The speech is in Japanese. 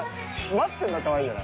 待ってるのかわいいよね。